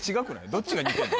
どっちが似てんの？